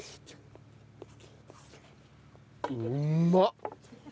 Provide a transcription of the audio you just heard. うまっ！